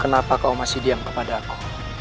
kenapa kau masih diam kepadaku